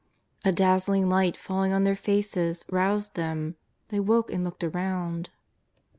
A dazzling light falling on their faces roused them. They woke and looked around.